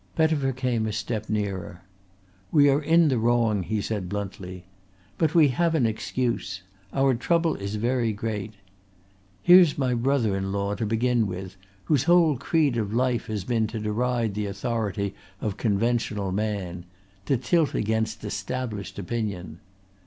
Pettifer came a step nearer. "We are in the wrong," he said bluntly. "But we have an excuse. Our trouble is very great. Here's my brother in law to begin with, whose whole creed of life has been to deride the authority of conventional man to tilt against established opinion.